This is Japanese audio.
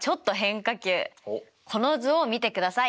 この図を見てください！